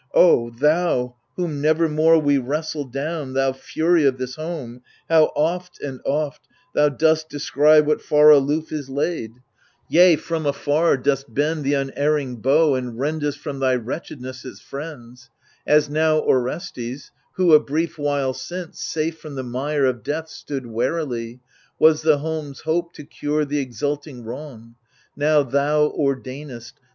— O thou whom nevermore we wrestle down. Thou Fury of this home, how oft and oft Thou dost descry what far aloof is laid, I 114 THE LIBATION BEARERS Yea, from afar dost bend th* unerring bow And rendest from my wretchedness its friends ; As now Orestcs^who, a brief while since, Safe from the mire of death stood warily, — Was the home's hope to cure th' exulting wrong ; Now thou ordainest.